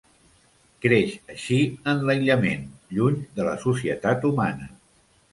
Creix així en l'aïllament, lluny de la societat humana.